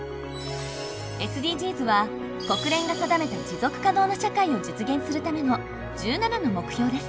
ＳＤＧｓは国連が定めた持続可能な社会を実現するための１７の目標です。